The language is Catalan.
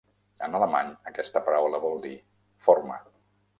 En alemany, aquesta paraula vol dir "forma".